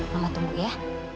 lama tunggu ya